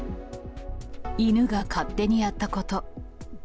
犬が勝手にやったこと。